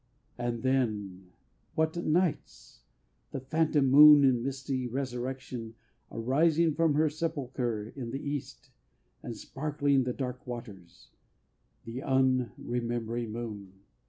And then, what nights!... The phantom moon in misty resurrection Arising from her sepulchre in the East And sparkling the dark waters The unremembering moon!